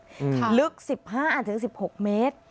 อืมค่ะลึกสิบห้าอันจึงสิบหกเมตร